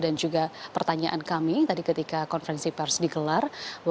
dan juga pertanyaan kami tadi ketika konferensi paris dikelar